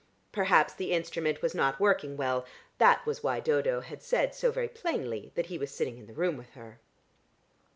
Perhaps the instrument was not working well; that was why Dodo had said so very plainly that he was sitting in the room with her.